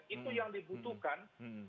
itu yang dibutuhkan